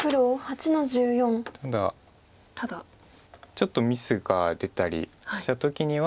ちょっとミスが出たりした時には。